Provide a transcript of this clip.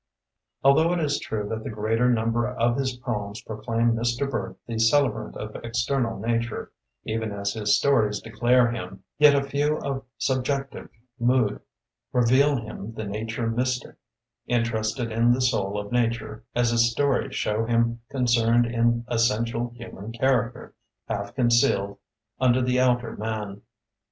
Although it is true that the greater number of his poems proclaim Mr. Burt the celebrant of external nature, even as his stories declare him, yet a few of subjective mood reveal him the nature mystic, interested in the soul of nature, as his stories show him con cerned in essential human character, half concealed under the outer man.